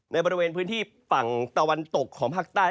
บริเวณพื้นที่ฝั่งตะวันตกของภาคใต้